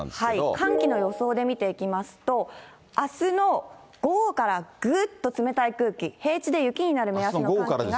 寒気の予想で見てみますと、あすの午後からぐっと冷たい空気、平地で雪になる目安の空気が。